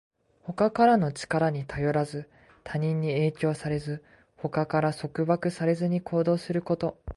他からの力に頼らず、他人に影響されず、他から束縛されずに行動すること。